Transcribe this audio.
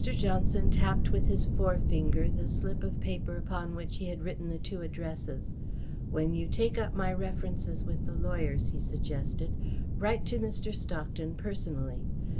Johnson tapped with his forefinger the slip of paper upon which he had written the two addresses. "When you take up my references with the lawyers," he suggested, "write to Mr. Stockton personally.